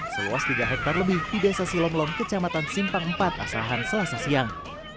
seluas tiga hektare lebih di desa silomlong kecamatan simpang empat asahan selasa siang